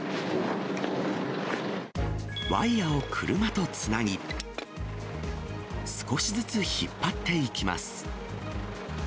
ワイヤを車とつなぎ、少しずつ引っ張っていきます。